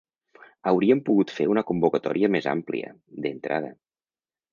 Hauríem pogut fer una convocatòria més àmplia, d’entrada.